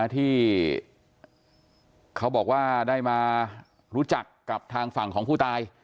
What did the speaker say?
ที่เขาบอกว่าได้มารู้จักกับทางฝั่งของผู้ตาย